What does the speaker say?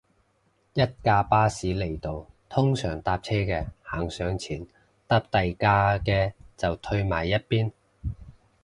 一架巴士嚟到，通常搭車嘅行上前，搭第架嘅就褪埋一邊